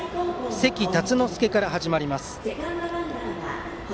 関辰之助から始まります。